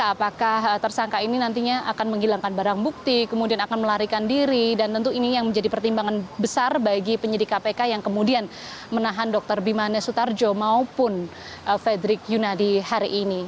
apakah tersangka ini nantinya akan menghilangkan barang bukti kemudian akan melarikan diri dan tentu ini yang menjadi pertimbangan besar bagi penyidik kpk yang kemudian menahan dr bimanes sutarjo maupun fredrik yunadi hari ini